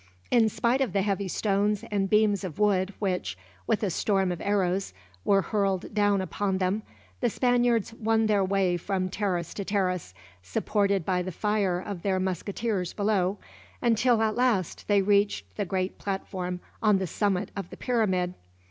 In spite of the heavy stones and beams of wood which, with a storm of arrows, were hurled down upon them, the Spaniards won their way from terrace to terrace, supported by the fire of their musketeers below, until at last they reached the great platform on the summit of the pyramid.